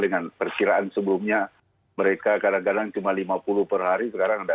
dengan persiraan sebelumnya mereka kadang kadang cuma lima puluh per hari sekarang ada dua ratus